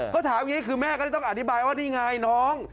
เขาถามอย่างนี้คือแม่ก็เลยต้องอธิบายว่านี่ไงน้อง